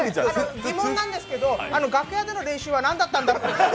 疑問なんですけど、楽屋での練習はなんだったんだろう。